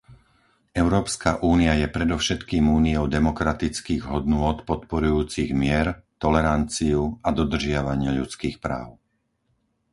Európska únia je predovšetkým úniou demokratických hodnôt podporujúcich mier, toleranciu a dodržiavanie ľudských práv.